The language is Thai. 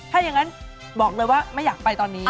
ถ้าอย่างนั้นบอกเลยว่าไม่อยากไปตอนนี้